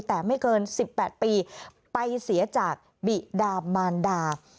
แต่ไม่เกิน๑๘ปีไปเสียจากบิดามานดา